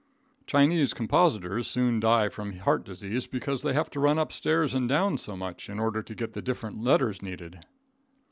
Chinese compositors soon die from heart disease, because they have to run up stairs and down so much in order to get the different letters needed.